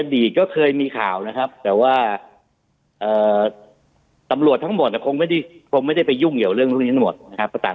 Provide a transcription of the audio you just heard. อดีตก็เคยมีข่าวนะครับแต่ว่าตำรวจทั้งหมดคงไม่ได้คงไม่ได้ไปยุ่งเกี่ยวเรื่องพวกนี้ทั้งหมดนะครับ